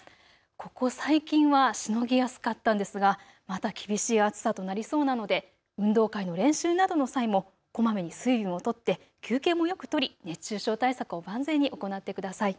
ここ最近はしのぎやすかったんですがまた厳しい暑さとなりそうなので運動会の練習などの際もこまめに水分を取って休憩もよく取り熱中症対策を万全に行ってください。